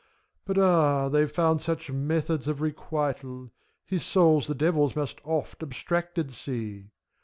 — But, ah! they've found such methods of requital, His souls the Devil must oft abstracted see!